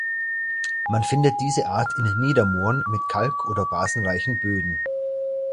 Man findet diese Art in Niedermooren mit kalk- oder basenreichen Böden.